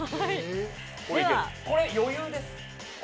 これ、余裕です。